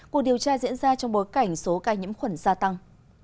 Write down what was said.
cuộc điều tra diễn ra trong bối cảnh số ca nhiễm khuẩn gia tăng